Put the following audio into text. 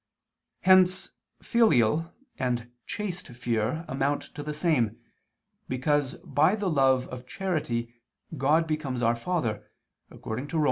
Hence filial and chaste fear amount to the same, because by the love of charity God becomes our Father, according to Rom.